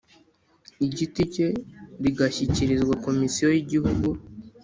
giti cye rigashyikirizwa Komisiyo y Igihugu